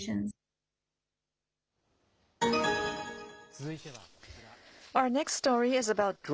続いてはこちら。